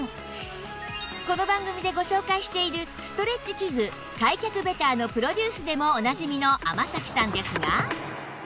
この番組でご紹介しているストレッチ器具開脚ベターのプロデュースでもおなじみの天咲さんですが